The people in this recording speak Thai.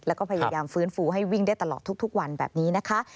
แล้วก็พยายามฟื้นฟูให้วิ่งได้ตลอดทุกวันแบบนี้นะคะ